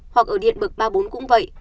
hoặc ở điện bậc ba mươi bốn cũng vậy